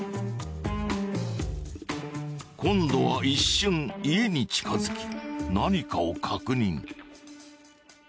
今度は一瞬家に近づき何かを確認。